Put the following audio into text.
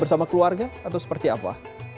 bersama keluarga atau seperti apa